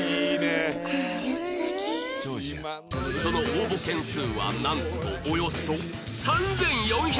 その応募件数はなんとおよそ３４００万件